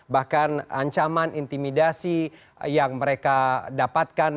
bahkan ancaman intimidasi yang mereka dapatkan